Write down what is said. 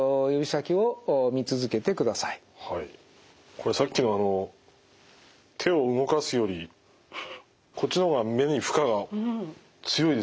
これさっきの手を動かすよりこっちの方が目に負荷が強いですね。